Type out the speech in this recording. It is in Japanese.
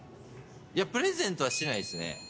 いや、プレゼントはしないですね。